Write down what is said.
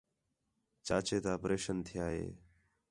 چاچے تا اپریشن تِھیا ہِے